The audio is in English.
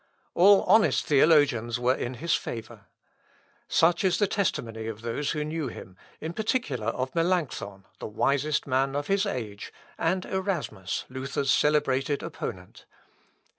All honest theologians were in his favour. Such is the testimony of those who knew him, in particular of Melancthon, the wisest man of his age, and Erasmus, Luther's celebrated opponent.